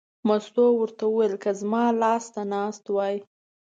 مستو ورته وویل: که زما لاس ته ناست وای.